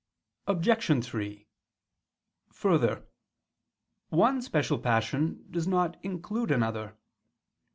Obj. 3: Further, one special passion does not include another.